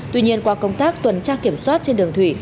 tuy nhiên qua công tác tuần tra kiểm soát trên đường thủy